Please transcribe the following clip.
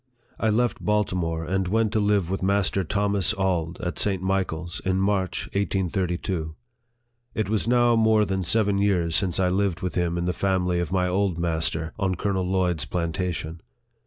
I left Baltimore, and went to live with Master Thomas Auld, at St. Michael's, in March, 1832. It was now more than seven years since I lived with him in the family of my old master, on Colonel Lloyd's plantation.